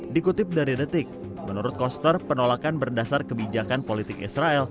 dikutip dari detik menurut koster penolakan berdasar kebijakan politik israel